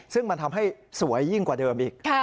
ซึ่งมันทำให้สวยยิ่งกว่าเดิมอีก